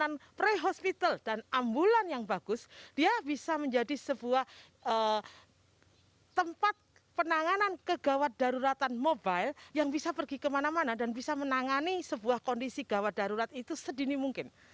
dengan pre hospital dan ambulan yang bagus dia bisa menjadi sebuah tempat penanganan kegawat daruratan mobile yang bisa pergi kemana mana dan bisa menangani sebuah kondisi gawat darurat itu sedini mungkin